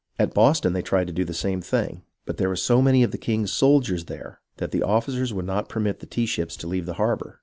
At Boston, they tried to do the same thing, but there were so many of the king's soldiers there that the officers would not permit the tea ships to leave the harbour.